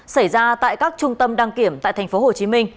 xảy ra tại các trung tâm đăng kiểm tại tp hcm